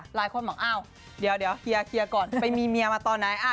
หลายคนบอกว่าเฮียก่อนมีเมียมาตอนไหน